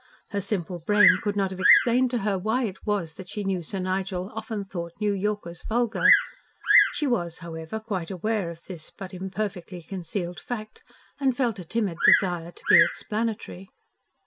Her simple brain could not have explained to her why it was that she knew Sir Nigel often thought New Yorkers vulgar. She was, however, quite aware of this but imperfectly concealed fact, and felt a timid desire to be explanatory.